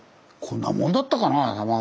こんなもんだったかなあ？